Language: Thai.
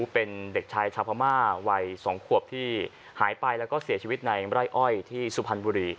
เป็นเด็กชายชาวพม่าวัย๒ขวบที่หายไปแล้วก็เสียชีวิตในไร่อ้อยที่สุพรรณบุรี